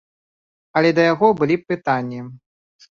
Але да яго былі б пытанні.